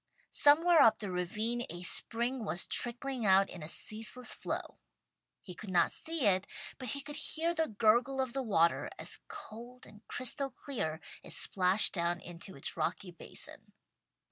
Somewhere up the ravine a spring was trickling out in a ceaseless flow. He could not see it, but he could hear the gurgle of the water, as cold and crystal clear it splashed down into its rocky basin.